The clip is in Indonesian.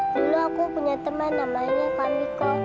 dulu aku punya temen namanya kamiko